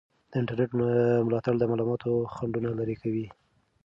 د انټرنیټ ملاتړ د معلوماتو خنډونه لرې کوي.